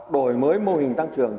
đổi mới mô hình tăng trưởng